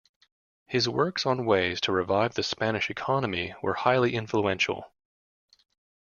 His works on ways to revive the Spanish economy were highly influential.